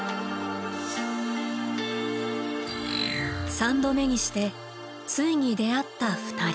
３度目にしてついに出会った２人。